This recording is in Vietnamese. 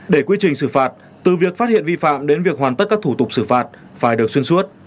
để quy trình xử phạt từ việc phát hiện vi phạm đến việc hoàn tất các thủ tục xử phạt phải được xuyên suốt